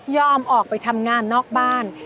ออกไปทำงานนอกบ้าน